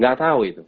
tidak tahu itu